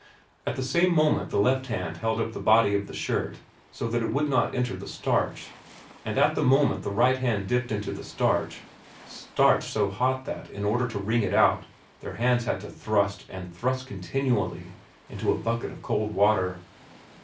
At the same moment the left hand held up the body of the shirt so that it would not enter the starch, and at the same moment the right hand dipped into the starch—starch so hot that, in order to wring it out, their hands had to thrust, and thrust continually, into a bucket of cold water.